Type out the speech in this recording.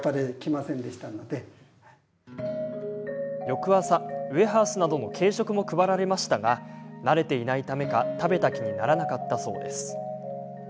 翌朝、ウエハースなどの軽食も配られましたが慣れていないためか食べた気にならなかったそうです。